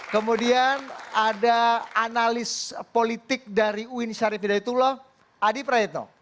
kemudian ada analis politik dari uin syarif hidayatullah adi praetno